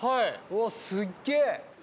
おすっげえ。